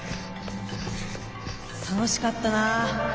楽しかったなあ。